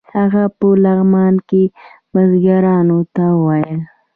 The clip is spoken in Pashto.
هغه په لغمان کې بزګرانو ته ویل.